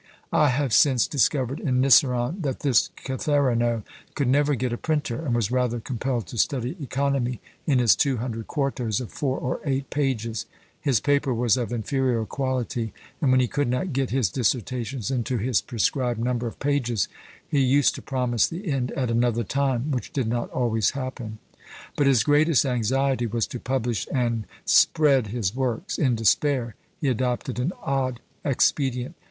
I have since discovered in Niceron that this Catherinot could never get a printer, and was rather compelled to study economy in his two hundred quartos of four or eight pages: his paper was of inferior quality; and when he could not get his dissertations into his prescribed number of pages, he used to promise the end at another time, which did not always happen. But his greatest anxiety was to publish and spread his works; in despair he adopted an odd expedient.